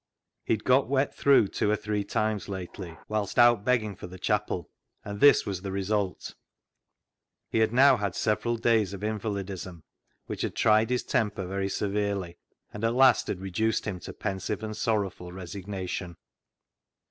He had got wet through two or three times lately whilst out begging for the chapel, and this was the 330 CLOG SHOP CHRONICLES result. He had now had several days of invalidism, which had tried his temper very severely, and at last had reduced him to pensive and sorrowful resignation.